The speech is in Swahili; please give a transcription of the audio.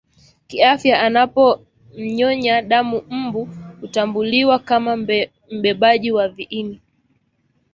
kiafya anapomnyonya damu Mbu hutambuliwa kama mbebaji wa viini